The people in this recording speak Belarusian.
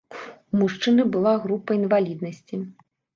У мужчыны была група інваліднасці.